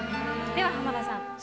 では浜田さん。